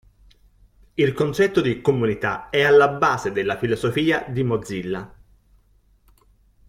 Il concetto di comunità è alla base della filosofia di Mozilla.